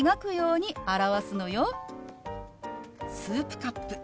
「スープカップ」。